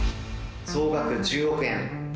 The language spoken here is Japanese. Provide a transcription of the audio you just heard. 総額１０億円！